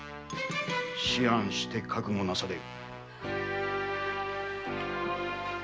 思案して覚悟なされよ。